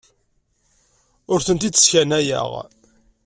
Ur tent-id-sskanayeɣ.